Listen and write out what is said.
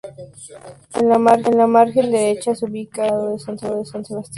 En la margen derecha se ubica el "mercado San Sebastián".